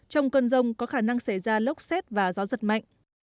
trong cơn rông có khả năng xảy ra lốc xét và gió giật mạnh